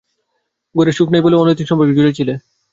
ঘরে সুখ নাই বলে অনৈতিক সম্পর্কে জড়িয়েছিলে?